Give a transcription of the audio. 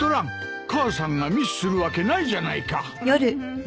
母さんがミスするわけないじゃないか。